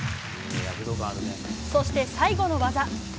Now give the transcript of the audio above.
そして、最後の技。